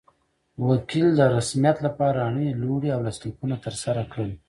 وکیل د رسمیت لپاره اړینې لوړې او لاسلیکونه ترسره کړل.